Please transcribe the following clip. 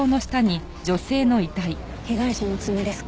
被害者の爪ですか？